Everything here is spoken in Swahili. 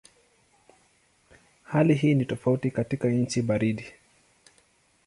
Hali hii ni tofauti katika nchi baridi.